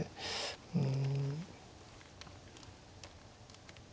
うん。